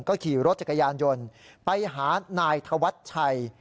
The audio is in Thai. ก็ขี่รถจักรยานยนต์ไปหานายธวัชชัย